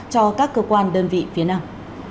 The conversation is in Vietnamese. cho các cơ quan đơn vị phía nam